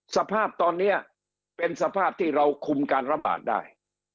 สภาพตอนนี้เป็นสภาพที่เราคุมการระบาดได้